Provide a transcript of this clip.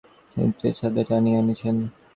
যেন তিনিই গল্প করিবার জন্য হেমকে ছাদে টানিয়া আনিয়াছেন।